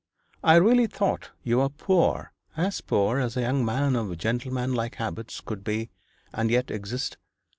'I really thought you were poor as poor as a young man of gentlemanlike habits could be, and yet exist.